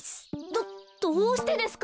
どどうしてですか？